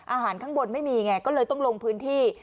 ข้างบนไม่มีไงก็เลยต้องลงพื้นที่